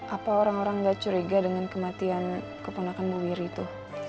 apa orang orang gak curiga dengan kematian keponakan bu wiri itu